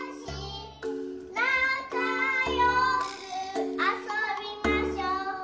「なかよくあそびましょう」